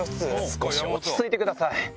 少し落ち着いてください。